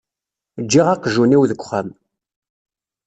Ǧǧiɣ aqjun-iw deg uxxam.